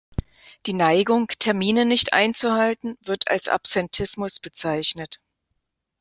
Die Neigung, Termine nicht einzuhalten, wird als Absentismus bezeichnet.